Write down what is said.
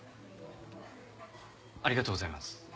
ありがとうございます。